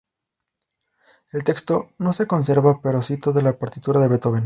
El texto no se conserva pero sí toda la partitura de Beethoven.